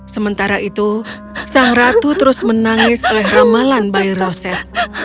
sementara itu sang ratu terus menangis oleh ramalan bayi roset